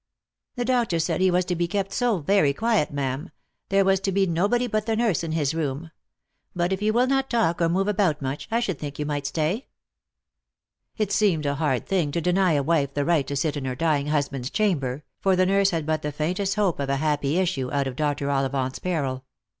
"The doctor said he was to be kept so very quiet, ma'am; there was to be nobody but the nurse in his room ; but if you will not talk or move about much, I should think you might etay." 342 IfOst far Love. It seemed a hard thing to deny a wife the right to sit in her dying husband's chamber, for the nurse had but the faintest hope of a happy issue out of Dr. Ollivant's peril.